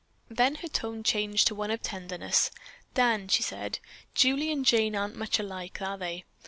Then her tone changed to one of tenderness. "Dan," she said, "Julie and Jane aren't much alike, are they?